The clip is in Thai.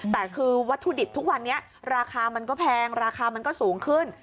แต่คือวัตถุดิบทุกวันนี้ราคามันก็แพงราคามันก็สูงขึ้น